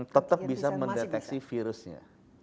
tetap bisa mendeteksi virusnya